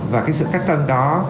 và cái sự cách tân đó